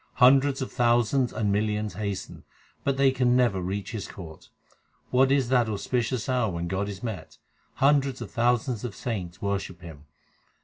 Hundreds of thousands and millions hasten, But they can never reach His court. What is that auspicious hour when God is met ? Hundreds of thousands of saints worship Him.